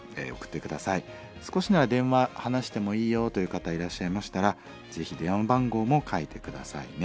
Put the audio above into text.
少しなら電話話してもいいよという方いらっしゃいましたらぜひ電話番号も書いて下さいね。